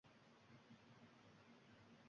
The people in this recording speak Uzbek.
Oyboltam ostida, maqtov aytib juda